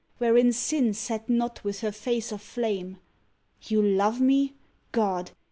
Wherein Sin sat not with her face of flame? "You love me"? God!